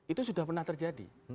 itu sudah pernah terjadi